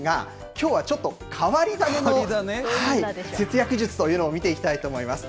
きょうはちょっと変わり種の節約術というのを見ていきたいと思います。